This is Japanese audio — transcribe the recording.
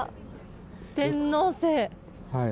天王星。